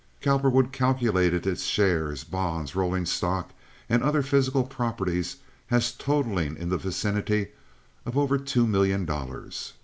Cowperwood calculated its shares, bonds, rolling stock, and other physical properties as totaling in the vicinity of over two million dollars.